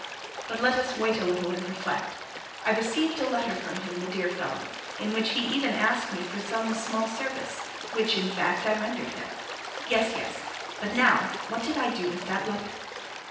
But let us wait a little and reflect. I received a letter from him, the dear fellow, in which he even asked me for some small service, which, in fact, I rendered him. Yes, yes; but now what did I do with that letter?"